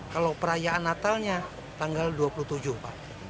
kalau perayaan natalnya tanggal dua puluh tujuh pak